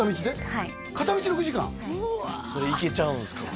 はいそれ行けちゃうんですか？